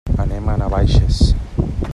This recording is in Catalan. Anem a Navaixes.